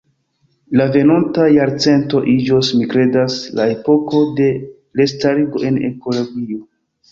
La venonta jarcento iĝos, mi kredas, la epoko de restarigo en ekologio".